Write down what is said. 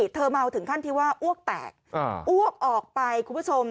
เธอเมาถึงขั้นที่ว่าอ้วกแตกอ้วกออกไปคุณผู้ชม